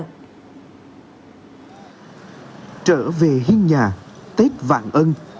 trở về hiên nhà tết vạn ân